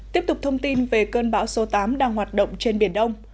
tiếp tục thông tin về cơn bão số tám đang hoạt động trên biển đông